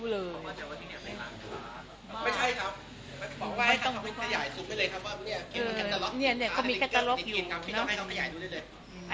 คืออีกมาถามว่านี่คนซื้อเหล้าเบียิงเอาลงไปนี่คนเราก็ไม่ได้รู้นะ